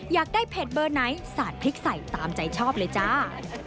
อยากได้เผ็ดเบอร์ไหนสาดพริกใส่ตามใจชอบเลยจ้า